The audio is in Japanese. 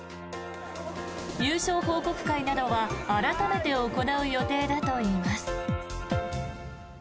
優勝報告会などは改めて行う予定だといいます。